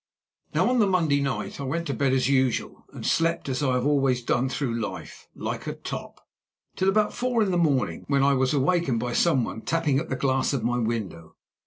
Now on the Monday night I went to bed as usual, and slept, as I have always done through life, like a top, till about four in the morning, when I was awakened by someone tapping at the glass of my window.